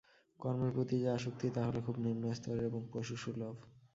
কর্মের প্রতি যে আসক্তি, তা হল খুব নিম্নস্তরের এবং পশুসুলভ।